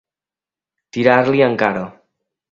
Tirar-li en cara.